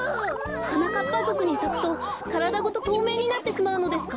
はなかっぱぞくにさくとからだごととうめいになってしまうのですか？